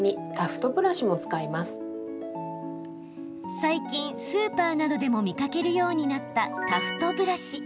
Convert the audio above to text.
最近、スーパーなどでも見かけるようになったタフトブラシ。